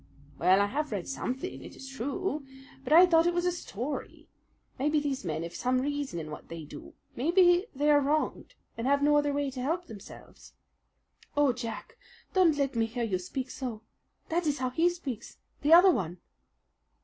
"Well, I have read something, it is true; but I had thought it was a story. Maybe these men have some reason in what they do. Maybe they are wronged and have no other way to help themselves." "Oh, Jack, don't let me hear you speak so! That is how he speaks the other one!"